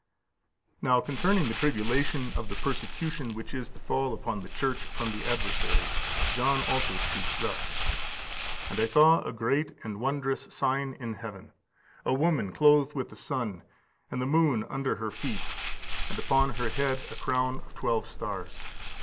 60. Now, concerning the tribulation of the persecution which is to fall upon the Church from the adversary, John also speaks thus: "And I saw a great and wondrous sign in heaven; a woman clothed with the sun, and the moon under her feet, and upon her head a crown of twelve stars.